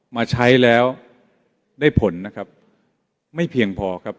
มาใช้แล้วได้ผลนะครับไม่เพียงพอครับ